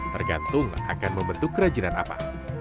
tergantung akan membentuk kerajinan apa